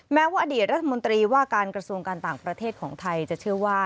แม้ว่าอดีตรัฐมนตรีว่าการกระทรวงการต่างประเทศของไทยจะเชื่อว่า